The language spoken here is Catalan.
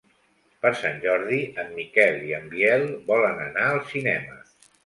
Per Sant Jordi en Miquel i en Biel volen anar al cinema.